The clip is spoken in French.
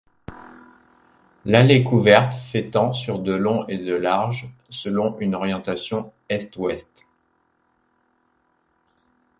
L'allée couverte s'étend sur de long et de large selon une orientation est-ouest.